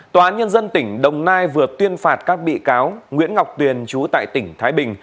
tòa án nhân dân tỉnh đồng nai vừa tuyên phạt các bị cáo nguyễn ngọc tuyền chú tại tỉnh thái bình